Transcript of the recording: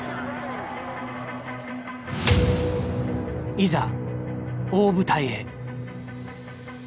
いざ大舞台へ。